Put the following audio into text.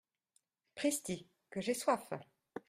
Pristi, que j’ai soif !…